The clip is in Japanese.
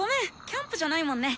キャンプじゃないもんね。